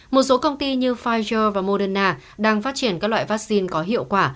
một số công ty như pfizer và moderna đang phát triển các loại vaccine có hiệu quả